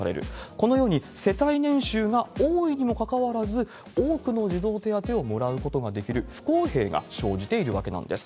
このように世帯年収が多いにもかかわらず、多くの児童手当をもらうことができる不公平が生じているわけなんです。